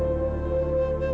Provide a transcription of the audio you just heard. aku terlalu berharga